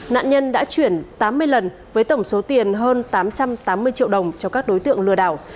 nạn nhân đã chuyển tám mươi lần với tổng số tiền hơn tám trăm tám mươi triệu đồng cho các đối tượng lừa đảo